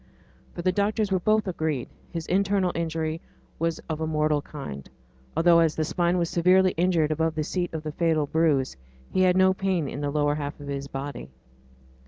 For the doctors were both agreed; his internal injury was of a mortal kind, although, as the spine was severely injured above the seat of the fatal bruise, he had no pain in the lower half of his body.